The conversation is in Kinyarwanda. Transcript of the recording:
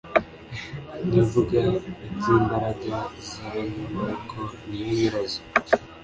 nimvuga iby’imbaraga z’abanyamaboko ni yo nyirazo,